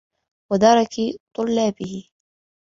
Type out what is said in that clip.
وَدَرَكِ طُلَّابِهِ